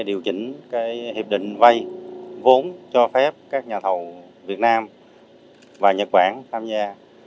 điều chỉnh hiệp định vay vốn cho phép các nhà thầu việt nam và nhật bản tham gia